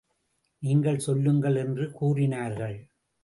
நீங்கள் செல்லுங்கள்! என்று கூறினார்கள்.